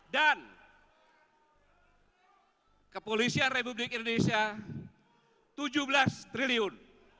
dan kepolisian republik indonesia tujuh belas triliun